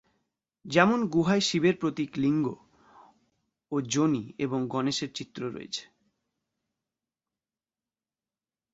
যেমন গুহায় শিবের প্রতীক লিঙ্গ ও যোনি এবং গণেশের চিত্র রয়েছে।